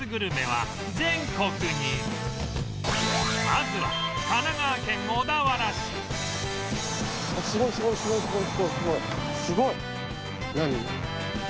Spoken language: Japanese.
まずは神奈川県小田原市何？